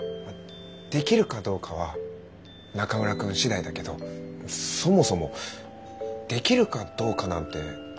できるかどうかは中村くん次第だけどそもそもできるかどうかなんて関係ないんじゃないかな。